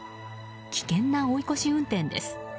危険な追い越し運転です。